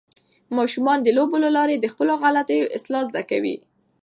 ماشومان د لوبو له لارې د خپلو غلطیو اصلاح زده کوي.